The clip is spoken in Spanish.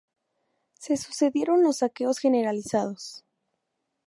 Se sucedieron los saqueos generalizados.